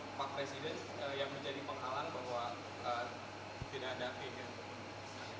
dan apakah faktor pak presiden yang menjadi penghalang bahwa tidak ada pengen